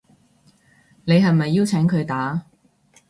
你係咪邀請佢打